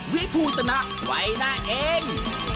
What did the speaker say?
วิภูสนะไว้นะเอง